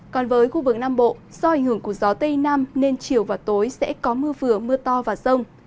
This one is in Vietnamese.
còn với khu vực nam bộ do ảnh hưởng của gió tây nam nên chiều và tối sẽ có mưa vừa mưa to và rông